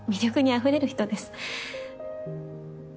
あふれる人です。